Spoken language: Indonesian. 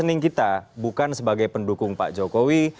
dan posisi kita bukan sebagai pendukung pak jokowi